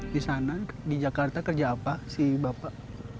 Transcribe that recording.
di sana di jakarta kerja apa si bapak